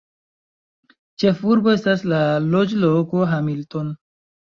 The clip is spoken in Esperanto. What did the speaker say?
Ĉefurbo estas la loĝloko Hamilton.